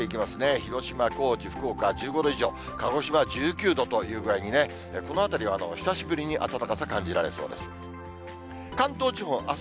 広島、高知、福岡、１５度以上、鹿児島は１９度という具合に、この辺りは久しぶりに暖かさ感じられそうです。